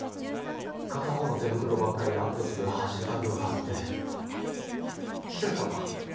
片方の手袋ばっかりアップするハッシュタグがあって日高は？